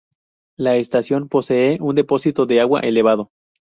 La estación posee un depósito de agua elevado.